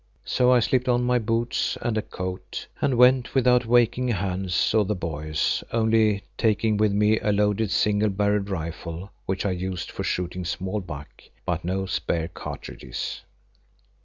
So I slipped on my boots and a coat and went without waking Hans or the boys, only taking with me a loaded, single barrelled rifle which I used for shooting small buck, but no spare cartridges.